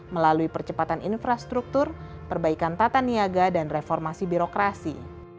melalui percepatan infrastruktur perbaikan tata niaga dan reformasi birokrasi